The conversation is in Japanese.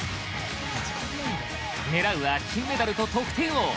狙うは、金メダルと得点王。